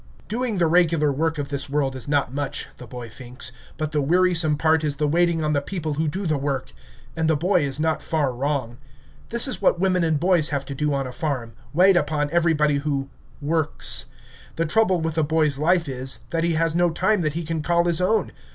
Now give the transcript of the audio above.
Doing the regular work of this world is not much, the boy thinks, but the wearisome part is the waiting on the people who do the work. And the boy is not far wrong. This is what women and boys have to do on a farm, wait upon everybody who works. The trouble with the boy's life is, that he has no time that he can call his own.